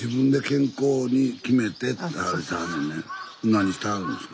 何してはるんですか？